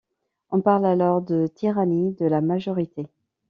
On parle alors de tyrannie de la majorité.